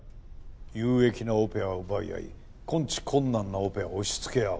有益なオペは奪い合い根治困難なオペは押し付け合う。